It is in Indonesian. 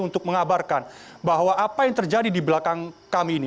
untuk mengabarkan bahwa apa yang terjadi di belakang kami ini